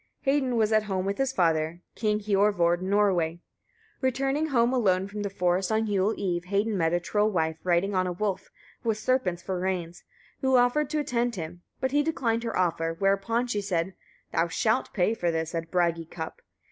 Hedin was at home with his father, King Hiorvard in Norway. Returning home alone from the forest on a Yule eve, Hedin met a troll wife riding on a wolf, with serpents for reins, who offered to attend him, but he declined her offer; whereupon she said: "Thou shalt pay for this at the Bragi cup."